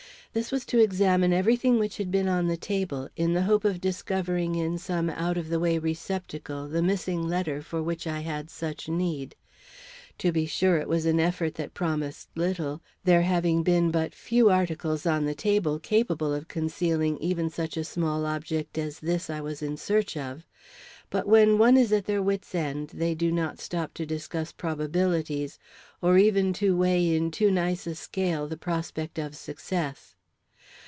This was to examine every thing which had been on the table, in the hope of discovering in some out of the way receptacle the missing letter for which I had such need. To be sure it was an effort that promised little, there having been but few articles on the table capable of concealing even such a small object as this I was in search of; but when one is at their wits' ends, they do not stop to discuss probabilities, or even to weigh in too nice a scale the prospect of success.